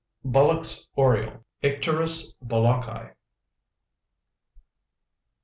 BULLOCK'S ORIOLE. (_Icterus bullocki.